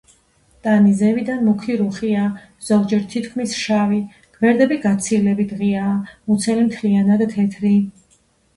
ტანი ზევიდან მუქი რუხია, ზოგჯერ თითქმის შავი; გვერდები გაცილებით ღიაა; მუცელი მთლიანად თეთრი.